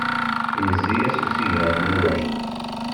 Yezzi-as usigna mellulen.